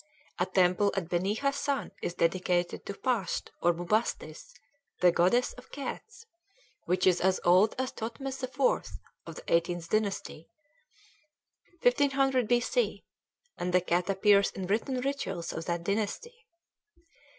A temple at Beni Hassan is dedicated to Pasht or Bubastis, the goddess of cats, which is as old as Thothmes IV of the eighteenth dynasty, 1500 B.C.; and the cat appears in written rituals of that dynasty.